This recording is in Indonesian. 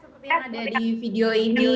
seperti yang ada di video ini